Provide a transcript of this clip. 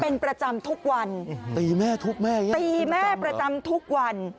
เป็นประจำทุกวันตีแม่ทุกวันตีแม่ประจำทุกวัน